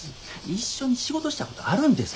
一緒に仕事したことあるんです。